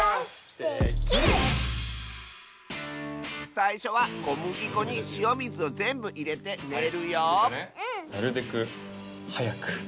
さいしょはこむぎこにしおみずをぜんぶいれてねるよなるべくはやく。